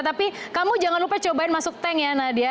tapi kamu jangan lupa cobain masuk tank ya nadia